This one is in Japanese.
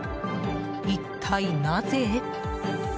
一体、なぜ？